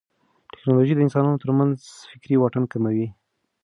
ټیکنالوژي د انسانانو ترمنځ فکري واټن کموي.